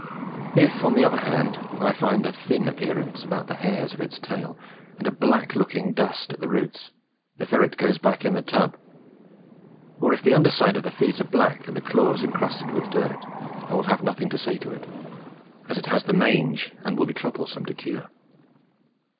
If, on the other hand, I find a thin appearance about the hairs of its tail and a black looking dust at the roots, the ferret goes back into the tub; or if the underside of the feet are black and the claws encrusted with dirt, I will have nothing to say to it, as it has the mange and will be troublesome to cure.